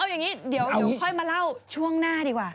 เอาอย่างนี้เดี๋ยวค่อยมาเล่าช่วงหน้าดีกว่า